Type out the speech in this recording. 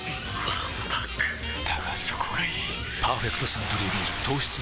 わんぱくだがそこがいい「パーフェクトサントリービール糖質ゼロ」